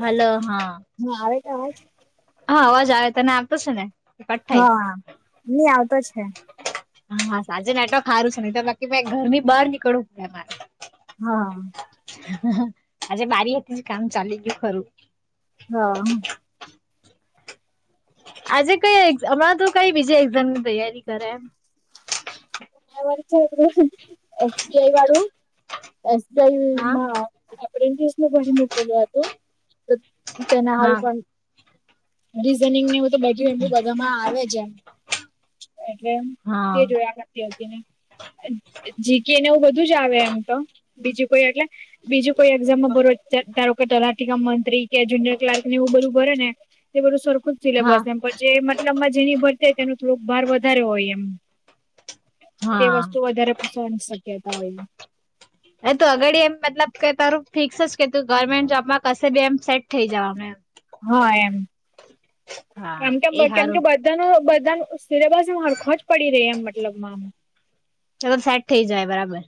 Hello હા. આજ હા અવાજ આવે તને આવતો છે ને? કટ થાય હા નઈ આવતો છે. હા હા સાંજે નેટવર્ક સારું છે. ને બાકી મેં ઘર ની બહાર નીકળવું પડે મારે. હા આજે બારીઓથી જ કામ ચાલી ગયું ખરું. હા! આજે કઈ એક્ઝામ? હમણાં તો કઈ બીજા એક્ઝામની તૈયારી કરે એમ? છે એસ બઆઈ વાળું [inaudible] હા માં આપને એક દિવસ ભરી [inaudible] મૂકેલું હતું તેના હા હારું પણ ડિઝાનિંગ ને હું તો બધું એમ બી બધામાં આવે છે. એટલે હા તે જોયા નથી હતી ને જી કે ને એવું બધું [inaudible] આવે એમ તો, બીજું કોઈ એટલે બીજું કોઈ એક્ઝામમાં [inaudible] તલાટી કમ મંત્રી કે જુનિય કલાર્ક ને એવું બધું ભરે ને તે બધું સર [inaudible] ખુબ હા સિલેબસ એમ પણ જે મતલબમાં જેની ભરતી તેનું થોડુંક ભાર વધારે હોય એમ. તે હા. વસ્તુ વધારે [inaudible] શક્યતા હોય હે તો આગળ એમ મતલબ કે તારું ફિક્સ જ કે તું ગવર્મેન્ટ જોબમાં કશે બી એમ સેટ થઈ જવાનું એમ. હા એમ, એમ હા કે એ કેમ કે હારું બધાનું, બધાનું સિલેબસ હરખો જ પડી રહી એમ મતલબમાં. ચલો સેટ થઇ જાય બરાબર.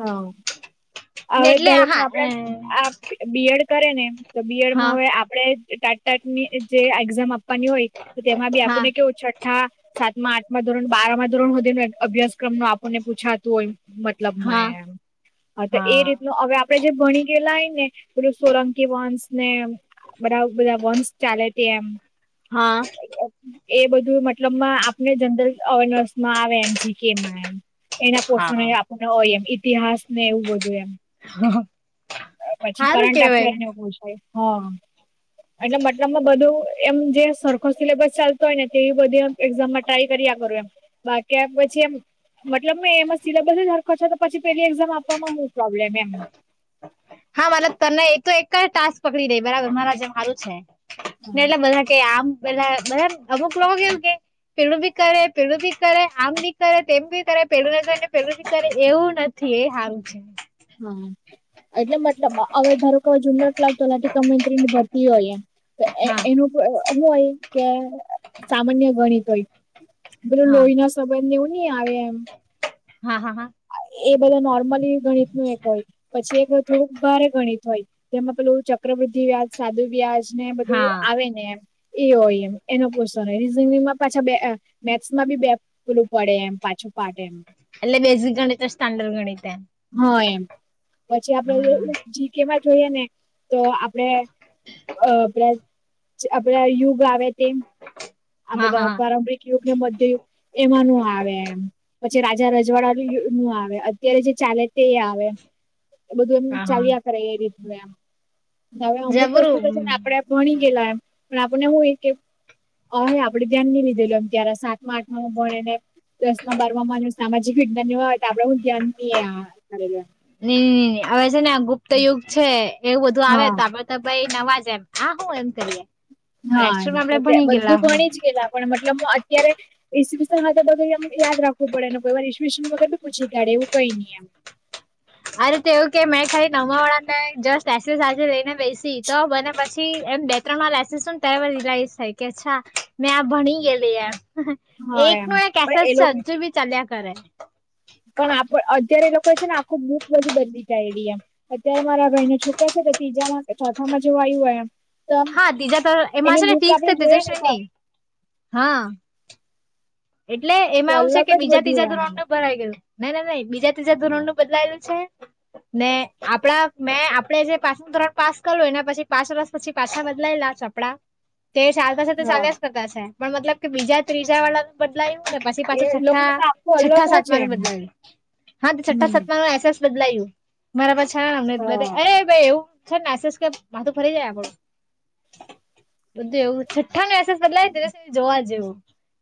હા હવે એટલે ધારો કે હા આપડે આ બીએડ કરે ને તો બી હા એડમાં હવે, આપણે ટેટ ટાટની જે એક્ઝામ આપવાની હોય તેમાં બી હા આપણને કેવું છઠ્ઠા સાતમા, આઠ ધોરણ, બાર માં ધોરણેને અભ્યાસક્રમ નો આપણને પૂછાતું હોય હા હા એમ તો એ હા રીતનું હવે આપ આપે જે ભણી ગયેલા હોય ને પેલું સોલંકી વંશ ને એવું. બરા બધા વોન્સ ચાલે તેમ હા! એ બધું મતલબ, આપને જનરલ અવેરનેસમાં આવે એમ જી કે માં એમ. એના પોષણ હા. આપણે હોય એમ ઇતિહાસ ને એવું બધું એમ પછી હારું કરંટ અફેર કેવાય ને એવું છે હા, ! એટલે મતલબમાં બધું એમ જે સરખો સિલેબસ ચાલતો હોય ને તે બધી એક્ઝામમાં ટ્રાય કરી બાકી પછી એમ મતલબ એમાં સિલેબસ છ તો પછી પેલી એક્ઝામ આપવામાં હું પ્રોબ્લેમ એમ. હા મલ તને એ તો એક જ ટાસ્ક પકડી દે બરાબર મારા જે મારું છે. ને હા એટલે બધા કે આમ પેલા બધા અમુક લોગ કે. પેલું ભી કરે પેલું ભી કરે આમ ભી કરે તેમ ભી કરે પેલું ના કરે ને પેલું બી કરે એવું ન થી એ સારું છે. હા એટલે મતલબ હવે ધારો કેવે જુનિર ક્લક તો ક મ્રીની ભરતી હોય. તો એ હા એનું હું હોય કે સામાન્ય ગણિત હોય પલું હા લોહી ના સંબંધને એવું. આવે એમ. હા હા હા. એ બધા નોર્મલી ગણિત નું એક હોય પછી એક થોડુંક ભારે ગણિત હોય જેમાં પેલું ચક્ર વૃદ્ધિ વ્યાજ સાદુ વ્યાજ ને બધું હા આવે ને એમ. એ હોય એમ એનો પૂછ હોય રીઝનિંગમાં પાછા બે મેથ્સમાં બી બે પલું પડે એમ પાછું. પાટે એમ. એલ્ બેઝિક ગણિત સ્ટાન્ડર્ડ ગણિત એ હા એમ. પછી આપડે જી કેમાં જોઈએ ને તો આપડે અ આપણા આપણા યુગ આવે તેમ આ હા હા બધા પારંપરિક યુગ ને મધ્ય યુગ એમાંનું આવે પછી રાજા રજવાડા નું આવે અત્યારે જે ચાલે તે આવે. [inaudible] બધું એમ હા હા ચાલ્યા કરે એ રીત નુ એમ. હવે અમુક વસ્તુ જબરું તો છે ને આપડે ભણી ગયેલા એમ પણ આપણને હું હોય કે. અ હે આપડે ધ્યાન નહી લીધેલું એમ ત્યારે સાત માં આઠ ભણેને દસ માં બાર માં સામાજિક વિજ્ઞાન હોય તો આપડ હ જ્ઞાન ની આ ને હવે છે ને ગુપ્ત યુગ છે એવું બધું આવે હા તો આપડે તો ભાઈ. નવાજ એમ હા હુ એમ કરીએ. પણ હા એમ એકચુઅલમાં આપણે ભણી ગયેલા બધું હોય. ભણી જ ગયેલા પણ મતલબ હુ અત્યારે ઈસ વિમ યાદ રાખવું પડે કોઈવાર ઈસ વિન વગર પૂછી કાઢે એવું કંઈ ની એમ [inaudible] અરે તેવું કે મેં ખાલી નમવા વાળા ને જસ્ટ લઈને બેસી તો મને પછી. બે ત્રણ માં લસીસને તહેવાર રિલાયસ થાય કે મેં આ ભણી ગયેલી એમ. હા એમ એકનો એક પણ કેસ એ લોકો હજુ બી ચલ્યા કરે. પણ આપ અત્યારે એ લોકો છે ને આખું બુક બધી બદલી કાયઢી એમ અત્યારે મારા ભાઈ ના છોકરા છે તો ત્રીજા ચોથામાં જોવા આયવો એમ. તો આમ હા ત્રીજા તર એમાં એની છે બુક તીસ આપડે ને જોઈએ ફિક્સ તો નહી હા. એટલે તો એમાં એવું છે અલગ કે જ બીજા બધું ત્રીજા એમ ધોણ ને ભરાય ગયુ. નઈ નઈ બીજા બીજા ધોરણનું બદલાયેલું છે ને આપણા મેં આપણે જે તણ પાસ કરું એના પછી પાંચ વર્ષ પછી પાછા બદલાયેલા ચોપડા તે ચાલતાશે તો હા ચાલ્યા જ કરતા છે પણ મતલબ કે બીજા ત્રીજા વાળાનું બદલાયું. પછી પાછો એ છઠ્ઠા લોકોનું તો આખું છઠ્ઠા અલગ સાતમાં જ નુ એમ બદલાયુ હા તો છઠ્ઠા હમ સાતમાનુ. બદલાયું મારા પાસે છામાને બધ હા અરે ભાઈ એવું. સેસ કે માથું ફરી જાય આપડું બધું એવું છઠ્ઠા ને બદલાય સુધી જોવા જેવું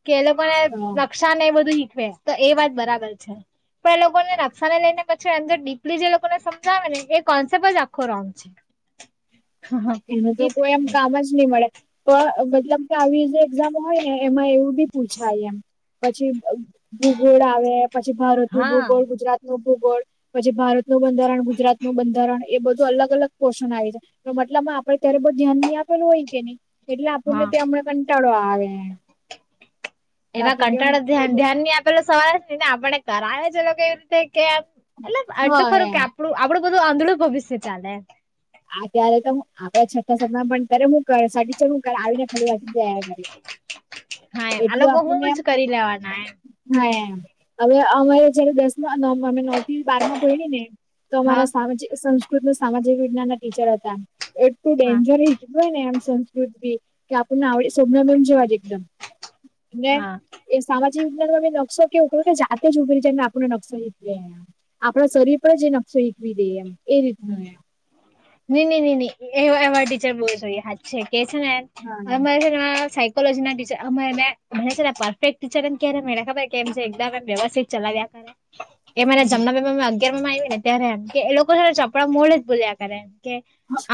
કે એ લોકો ને હા નકશા ને એ બધું ઈ તો એ વાત બરાબર છે. પણ એ લોકોને નકશાને લઈને પછી અંદર ડીપલી જે લોકોને સમજાવે ને એ કોન્સેપ્ટ જ આખો રોંગ છે. [inaudible] એનું તો કોઈ એમ કામ જ ની મળે. તો મતલબ કે આવી રીતે એક્ઝામ હોય ને એમાં એવું બી પૂછાય એમ. પછી ભૂગોળ આવે પછી ભારત નું હા ભૂગોળ ગુજરાત નું ભૂગોળ પછી ભારતનુ બંધારણ ગુજરાતનુ બંધારણ એ બધું અલગ અલગ પોર્શન આવી જાય એટલામાં આપે ત્યારે બહુ ધ્યાન નહી, આપેલું હોય, કે નહી એટલે હા આપણને હમને કંટાળો આવે હવે એમાં કંટાળા ધ્યાનની આપેલો સવારે ન ને, આપણે કરાવે એ લોકો કે એવી રીતે. કે મતલબ હા એટલું ખરુ, કે એમ આપણું આપણું બધું આંધળું ભવિષ્ય ચાલે આ ત્યારે, તો આપડે છઠા સાતમા પણ કરે હુ કર સા છે. હુ, કર આવીને ખાલી વાત તૈયાર કરી હા એમ આ એટલું લોકો હું આપણનેમ જ કરી લેવાના એમ હા, એમ હવે અમારે જયારે દસમા નવ અમે નવ થી. બારમાં ભરીયુ ને તો હા અમારા સામાજિક સ સામાજિક વિજ્ઞાન ના ટીચર હતા, એમ એટલું હા ડેન્જર શીખવે સંસ્કૃત બી કે આપણને આવડે શોભનાબેન જેવા દેખાય ને હા નકશો કેવું ખબર કે જાતે, જ ઉભરી જઈને આપને નકશા જી આપણા શરીર પણ જેશ શીખવી દઈએ એ રીતનું એમ ન ન ન ન એ એ ટીચર બો જોઈએ સાચે છે. કે છેને, હા અરે કોલેજ ના ટીચર અમેને મને છે, પરફેક્ટ ટીચર ને ક્યારે એને ખબર કેમ એકદમ એમ વ્યવસ્થિત ચલતે હરે એ મને જમના, બે મા અગિયાર મા આયવી ને ત્યારેમ કે એ લોકો ચોપડા મોઢે જ બોલ્યા કરે કે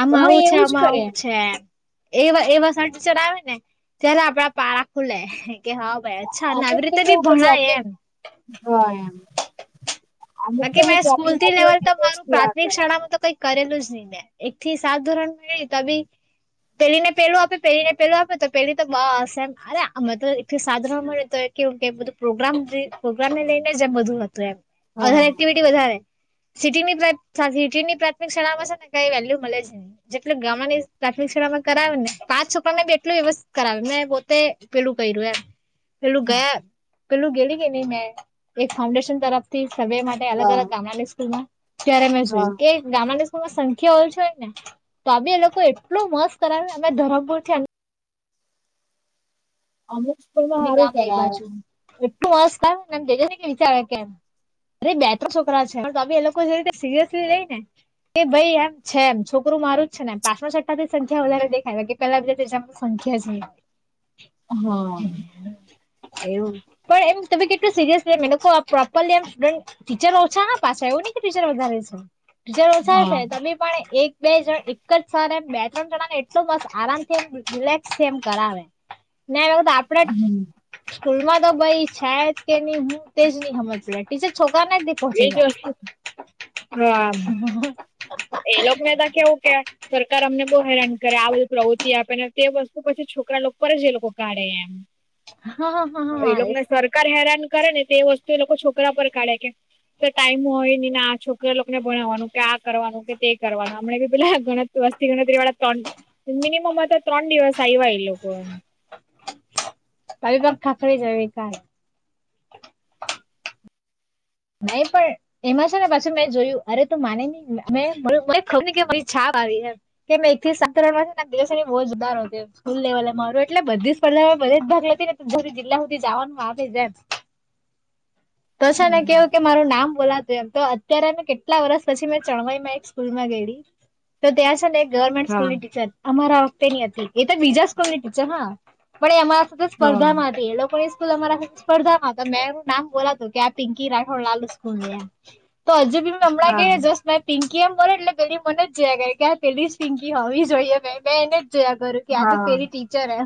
આમાં હા આવું છે, એવું જ આમાં કરે આવું એમ છે, એમ એ એ વસા ટચર આવે ને ત્યારે આપડા પારા ખુલે કે હા ભાઈ અચ્છા, અને અમુક આવી તો રીતે બી કેવું કે ભણાય ચોપડું એમ હા એમ અમુક તો બાકી મે હું સ્કૂલ ચોપડીમાં થી જોઈ લેવલ, ને તો તે જ મારું થયા પ્રાથમિક કરે શાળામાં તો કઈક કરેલું જ નહી, મેં એક થી સાત ધોરણ મે તો બી પેલી ને પેલું આપે પેલીને પેલું આપે, તો પેલી તો બસ એમ અરે અ તો એટલી સાધનો મળે તો કેવું કે બધું પ્રોગ્રામ પ્રોગ્રામ ને લઈને, જ એમ બધું હતું એમ વધારે હા એક્ટિવિટી વધારે સિટીની સિટીની પ્રાથમિક શાળામાં છેને, કઈ વેલ્યુ મળે છે. નહી જેટલ ગામની શિક્માં કરાવે ને પાંચ છોકરાને, બી એટલુ વ્યવસ્થ કરાવે મેં પોતે પેલું કર્યું એમ પેલું ગયા પેલુ ગેલી કે નહી. મેં એક ફાઉન્ડેશન તરફ થી સભ્ય માટે અલગ હા અલગ ગામડાની સ્કૂલમાં જય્યારે, મેં જોયું હા કે ગામની માં સંખ્યા ઓય છે, હોય ને તો આ બી એ લોકો એટલોું મસ્ત કરાવ અમે ધરમપુરથી. અમુક સ્કૂલમા સારુ, કરા મસ્કાર નમ જજ, કે વિચાર કે અરે બે ત્ર છોકરા છે. પણમેી એ લોકો જે રીતે સિરિયસલી લઈ ને કે ભાઈ એમ છે, એમ છોકરો માર જ છેને, પાં છ્ટા થી સંખ્યા વધારે દેખાય કે પેલા બધ સંખ્યા છે. હમ એવું પણ એમ, તમે કેટલું સિરિયસ એ લોકો પ્રોપરલી એમ સ્ટુડન્ટ ટીચર ઓછા પાછળ એવ ટીચર વધારે છે, ટીચર ઓછા હા છે, તમે પણ એક બે જણ એક જ સર એમ બે ત્રણ જણા ને એટલું બસ આરામથી, એમ રિલેક્સથી એમ કરાવે ના હમ સ્કૂલમાં તો ભાઈ છે, જ કે નહી. હુ તે નહી સમજ ટીચર છોકરી તનેક દી પહચી, એજ જા વસ્તુ હા એ લોકોને, તો કેવું કે સરકાર અમને બહુ હેરાન કરે આ બધી પ્રવૃત્તિ આપે ને તે વસ્તુ પછી છોકરા, લોકો પર જે લોકો કાઢે એમ હા હા હા એ હા આવી લોકોને સરકાર હેરાન, કરે ને તે વસ્તુ એ લોકો છોકરા, પર કાઢે કે તો ટાઈમ હોય, ને આ છોકરા લોકોને ભણાવવાનું કે આ કરવાનુ તે કરવાના અમ બી પેલાણ વસ્તી, ગણતરી વાળા ત્રણ મિનિમમ તો ત્રણ દિવસ આય [unintelligible] અવિક ખાખરે છેવિક. નહી. પણ એમાં છેને, પાછી મેં જોયું અરે તું માને ન મેને ખબરા મ કે એક થી સાતણ દિવ, બહુજ ઉારો સ્ૂલ લેવલે માર એટલે બધી સ્પર્ધા બધે જ ભાગ લેતી ને [inaudible] જિલ્લા હુધી જવાનું આવે જ એમ. તો છે ને હમ કેવું કે મારું નામ બોલા તો અત્યારે મેં કેટલા વર્ષ પછી મેં ચણવાઈમાં એક સ્કૂલમાં ગેલી તો ત્યાં છે ને એક ગવર્મેન્ટ સ્કૂલ હા ની ટીચર અમારા વખતે ની હતી એ તો બીજા સ્કૂલ ની ટીચર હા પણ એ અમા હા સ્પર્ધામાં હતી એ લોકો સ્કૂલ અમારા સ્પર્ધામાં તો મેંનું નામ બોલા કે્યા પિંકી રાઠોડ લાલ સ્કૂલયા તો હજુ બી હમણાં હા કે જ મેં પકી કેમ મને એટલે પેલી મને જ કે પેલી જ પિકી હોવી જોઈએ મે એને જોયા કરું કે આ તો હા પેલી ટીચર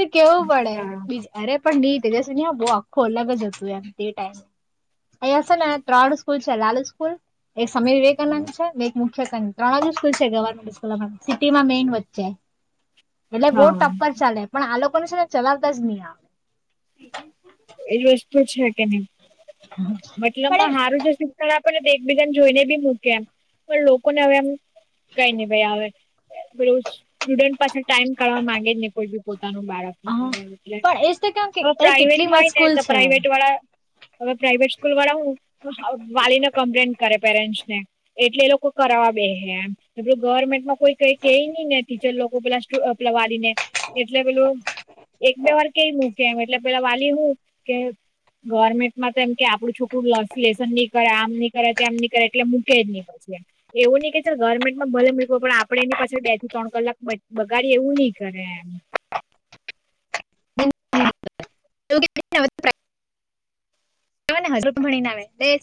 તો કેવું હા પડેી અરે પણ નહી જશે ન બહુ આખું અલગ જ હતું એમ તે ટાઈમે અહીંયા સર ત્રડું સ્કૂલ છે લાલુ સ્કૂલ એક સ્વામી વિવેકાનંદ છે. એક મુખ્ય સ ત્રણ જ સ્કૂલ છે. ગવર્મેન્ટ સ્કૂલમાં સિટીમાં મેઈન વચ્ચે એટલે બહુ હા ટપ્પ જ ચાલે પણ આ લોકોને છે ને ચલાવતા જ નહી આવે એ રોજ તોછ કે ન ઈ મતલબમાં પણ હારું જો શિક્ એકબીજાને જોઈને બી મૂકે એમ પણ લોકોને હવે એમ કઈ નઈ ભાઈ આવે સ્ટુડન્ટ પાછ ટાઈમ કાઢવા માંગે જ નહી કોઈ બી બાળકો એમ હા કરે એટલે પણ એજ કેમ કે તો અરે કેટલી મસ્ત પ્રાાઈવેટમાંય ને સ્કૂલ તો છે પ્રાાઈવેટ વાળા અગ પ્રાાઈવેટ સ્કૂલ વાળા હું વાલીને કમ્પ્લેન કરે પેરેન્ટસ ને એટલે એ લોકો કરાવા બેહે એમ., ને પેલું ગવર્મેન્ટમાં કોઈ કઈ કે ની ને ટીચર લોકો પેલા પેલા વાલીને એટલે પેલું એક બે વાર કેઈ મૂકે એમ એટલે પેલા વાલી હું કે ગવર્મેન્ટમાં તો એમ આપડું છોકરું [unintelligible] ની કરે આમ ની કરે તેમની કરે એટલે મૂકે જ ની. પછી એમ એવું ની કે ચાલ ગવર્મેન્ટમાં ભલે મુકયે પણ આપડ એની પાસે બે થી ત્રણ કલાક બગાડી એવું ની કરે એમ [inaudible] [inaudible] [inaudible] ભણી ને આવે તે જ.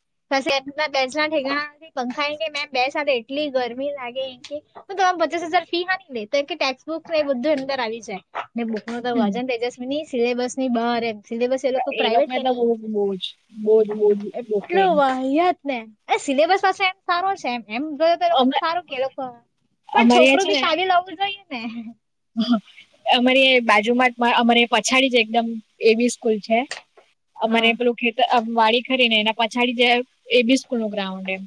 [inaudible] ઠેકાણાય નથી. એટલી ગરમી લાગે [inaudible] પચાસ હજાર ફી હાની લે તો કે ટેક્સ બુક એ બધું અંદર આવી જાય. ને બુક નો તો વજન તેજસ્વી ની સિલેબસની બાર એમ સિલેબસ એ લોકો પ્રાઇવેટ ને કે તો ની બો [unintelligible] કેટલું વીહિયાત ને સિલેબસ હશે એમ સારો છે એમ એમ જોઈએ તો એ લોકો અમે સારું કે લોકો પણ છોકરું છે બી ને કાલી લાવવું જોઈએ ને અમારે બાજુમાં અમારે પછાડી જ એકદમ એવી સ્કૂલ છે હા મને પેલું ખેતર વાડી ખરી ને એના પછાડી જે એ બી [unintelligible] ગ્રાઉન્ડ એમ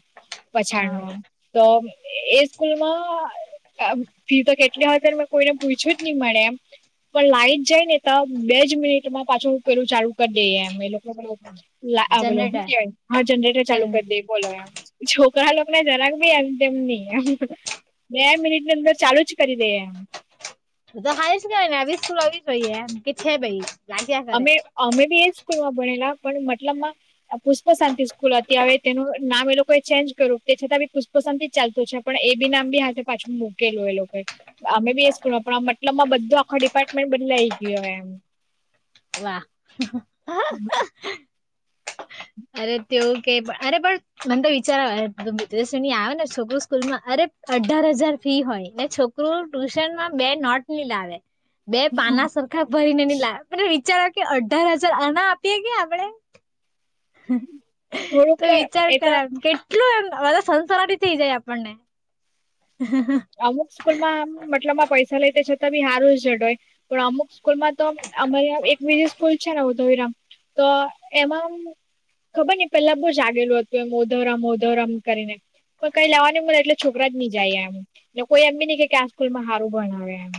પછાડ હા નો તો એ સ્કૂલમાં ફી તો કેટલી હ ને પૂછ્યું જ ની મળે એમ પણ લાઈટ જાય ને તો બે જ મિનિટ માં પાછળ પેલું ચાલુ કરી દઈએ એમ એ લો [inaudible] બોલો હુ જનરેટર કેવાય હા જનરેટર ચાલુ કરી દે બોલો છો ઘણા લોકોને જરાક ભી એમ તેમ ની એમ બે મિનિટ ની અંદર ચાલુ જ કરી દે એમ તો તો હારીજ [unintelligible] એમ કે છે ભઈ. અમે અમે બી એ સ્કૂલમાં ભણેલા પણ મતલબમાં પુષ્પ શાંતિ સ્કૂલ અતી હવે તેનું નામ એ લોકોએ ચેન્જ કર્યુ તે છતાં ભી પુષ્પસંતિ ચાલતું છે. પણ એ બી નામ બી હાતે પાછું મૂકેલું એ લોકો અમે બી એ સ્કૂલમાં પણ આ મતલબમાં બધો આખો ડિપાર્ટમેન્ટ બદલાઈ ગીયો એમ. વાહ હ હ હમ અરે તેવું કે અરે પણ મને તો વિચારવા [inaudible] આવે ને છોકરી સ્કૂલમાં અરે અઢાર હજાર ફી હોય ને છોકરું ટ્યુશનમાં બે નોટ ની લાવે. બે પાના સરખા ભરીને ની લાવે [inaudible] જાણે કે અઢાર હજાર આના આપીએ કે આપડે. તો થોડુંક વિચાર એ તો કર એમ કેટલું [unintelligible] થઇ જાય આપણને. અમુક સ્કૂલમાં આમ મતલબમાં પૈસા લે તે છે. હારું જ છે ધોય, હોય પણ અમુક સ્કૂલમાં તો અમારી એક બીજી સ્કૂલ છે ને ઉધોવિરામ. તો એમાં. ખબર પેલા બો જાગેલું હતું એમ ઓધોરામ ઓધોરામ કરીને. પણ કઈ લેવા ની મળે એટલે છોકરા જ ની જાયએમ લોકો એમ બી ની કેય આ સ્કૂલમા હારું ભણાવે એમ.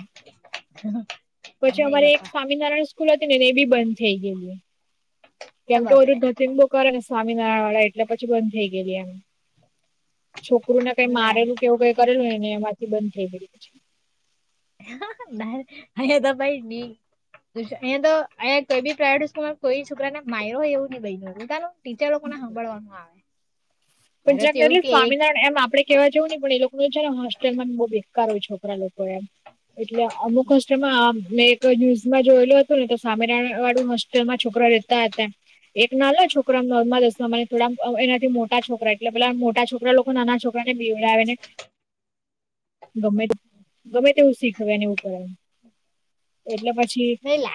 [inaudible] પછી નહી અમારી એક બાપા સ્વામિનારાયણ સ્કૂલ હતી એ બી બંધ થેય ગેલી. કેમ અ કે બધુ બાપરે ધતીંગ બો કરે ને સ્વામિનારાયણ વાળા એટલે પછી બંધ થેય ગેલી એમ. છોકરુંને કઈ ના મારેલું કરેલું એમાંથી બંધ થઈ ગેલુ છે. [unintelligible] તો અંયા કઈ બી પ્રાઈવેટ સ્કૂલ માં કોઈ છોકરા ને માયરૂ હોય એવું નઈં. ટીચર લોકોને હાભળવાનું આવે. [unintelligible] અરે તો એવું એટલે કે એક સ્વામિનારાયણ એમ આપણે કેવા જેવું ની પણ એ લોકોનું છે ને હોસ્ટેલમાં ભી. કારો છોકરા લોકો એમ, એટલે અમુક ખુશી માં બ્લેક કોઈ ન્યુઝમાં જોયેલું હતું ને તો સ્વામિનારાય વાળું હોસ્ટેલમાં છોકરા રેતા હતા. એક નાનલો છોકરા નોર્મલ સમલા થોડા એનાથી મોટા છો એટલે પેલા મોટા છોકરા લોકો નાના છોકરા ને બવડાવે ને. ગમે ગમે તેવું શીખવેને એવું કરે, એટલે પછી ન લાગે.